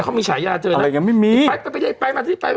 เขามีฉายาเจอแล้วอะไรยังไม่มีไปไปไปไปไปมาซิไป